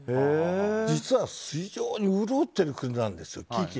実は非常に潤ってる国なんですよ。